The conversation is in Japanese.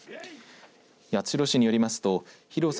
八代市によりますと広さ